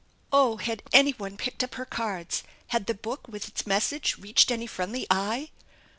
Oh, had anyone picked up her cards? Had the book with its message reached any friendly eye?